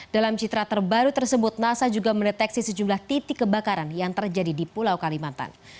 dalam citra terbaru tersebut nasa juga mendeteksi sejumlah titik kebakaran yang terjadi di pulau kalimantan